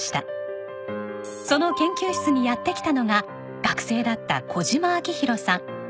その研究室にやって来たのが学生だった小島陽広さん。